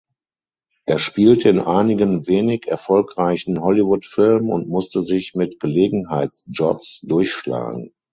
Er spielte in einigen wenig erfolgreichen Hollywood-Filmen und musste sich mit Gelegenheitsjobs durchschlagen.